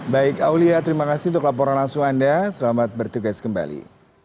baik aulia terima kasih untuk laporan langsung anda selamat bertugas kembali